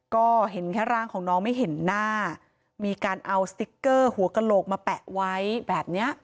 ก็เห็นแค่ร่างของน้องไม่เห็นหน้ามีการเอาสติ๊กเกอร์หัวกระโหลกมาแปะไว้แบบเนี้ย